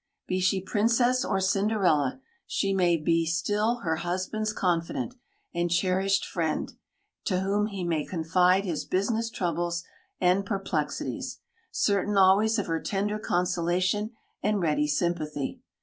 Be she princess, or Cinderella, she may be still her husband's confidant and cherished friend, to whom he may confide his business troubles and perplexities, certain always of her tender consolation and ready sympathy.